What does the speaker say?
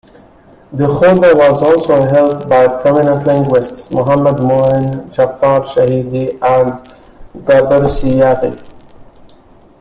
Dehkhoda was also helped by prominent linguists Mohammad Moin, Jafar Shahidi, and Dabirsiyaghi.